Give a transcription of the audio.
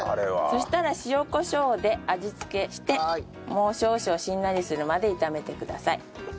そしたら塩コショウで味付けしてもう少々しんなりするまで炒めてください。